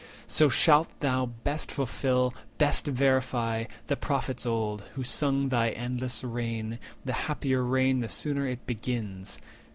So shalt thou best fulfil, best verify, The Prophets old, who sung thy endless reign— The happier reign the sooner it begins.